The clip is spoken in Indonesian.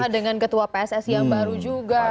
dengan ketua pssi yang baru juga